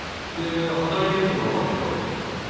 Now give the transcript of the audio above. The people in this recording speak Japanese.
で働いてるところ分かってんだろ？